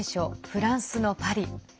フランスのパリ。